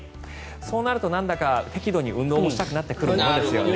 そうなると、なんだか適度に運動したくなってきますよね。